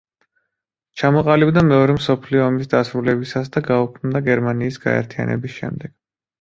ჩამოყალიბდა მეორე მსოფლიო ომის დასრულებისას და გაუქმდა გერმანიის გაერთიანების შემდეგ.